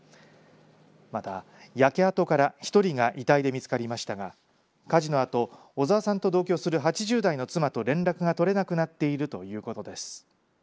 また焼け跡から１人が遺体で見つかりましたが火事のあと小澤さんと同居する８０代の妻と連絡が取れなくなっているということです。